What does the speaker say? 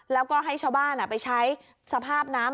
แล้วก็ให้ชาวบ้านไปใช้สภาพน้ำ